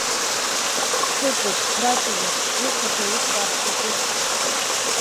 Ҳҭыҵып, ҳрацәажәап, ирҭаху еилыскаар сҭахуп.